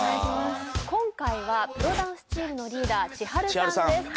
今回はプロダンスチームのリーダーｃｈｉｈａｒｕさんです。